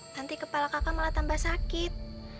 nanti kepala kakak malah tambah sakit